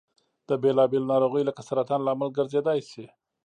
د بېلا بېلو نارغیو لکه سرطان لامل ګرځيدای شي.